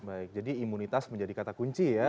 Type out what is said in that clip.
baik jadi imunitas menjadi kata kunci ya